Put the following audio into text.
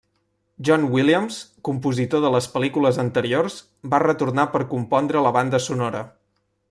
John Williams, compositor de les pel·lícules anteriors, va retornar per compondre la banda sonora.